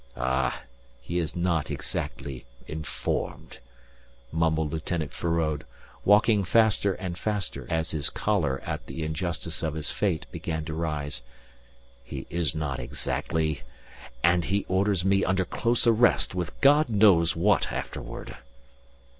"Ah, he is not exactly informed," mumbled Lieutenant Feraud, walking faster and faster as his choler at the injustice of his fate began to rise. "He is not exactly.... And he orders me under close arrest with God knows what afterward."